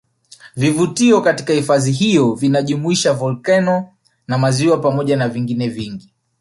Vivutio katika hifadhi hiyo vinajumuisha volkeno na maziwa pamoja na vingine vingi